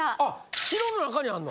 城の中にあんの？